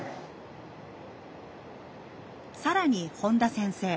更に本田先生